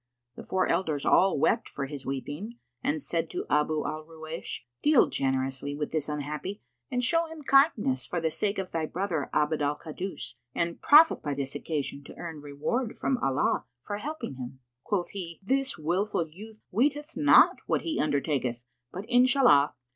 The four elders all wept for his weeping and said to Abu al Ruwaysh, "Deal generously with this unhappy and show him kindness for the sake of thy brother Abd al Kaddus and profit by this occasion to earn reward from Allah for helping him." Quoth he, "This wilful youth weeteth not what he undertaketh; but Inshallah!